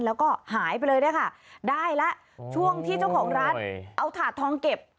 แล้วก็หายไปเลยด้วยค่ะได้แล้วช่วงที่เจ้าของร้านเอาถาดทองเก็บ